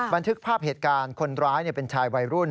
บันทึกภาพเหตุการณ์คนร้ายเป็นชายวัยรุ่น